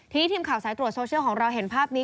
ทีนี้ทีมข่าวสายตรวจโซเชียลของเราเห็นภาพนี้